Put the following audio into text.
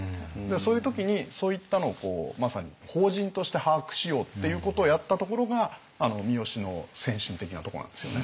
そういう時にそういったのをまさに法人として把握しようっていうことをやったところが三好の先進的なとこなんですよね。